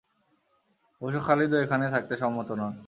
অবশ্য খালিদও এখানে থাকতে সম্মত নন।